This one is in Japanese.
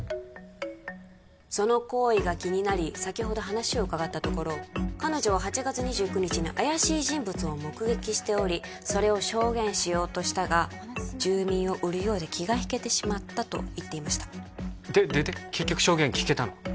その行為が気になり先ほど話を伺ったところ彼女は８月２９日に怪しい人物を目撃しておりそれを証言しようとしたが住民を売るようで気が引けてしまったと言っていましたででで結局証言聞けたの？